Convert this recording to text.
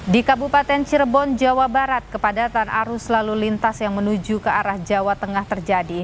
di kabupaten cirebon jawa barat kepadatan arus lalu lintas yang menuju ke arah jawa tengah terjadi